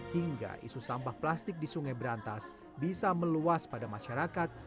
hingga isu sampah plastik di sungai berantas bisa meluas pada masyarakat